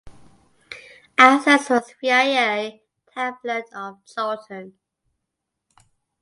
Access was via the hamlet of Charlton.